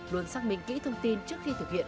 luôn xác minh kỹ thông tin trước khi thực hiện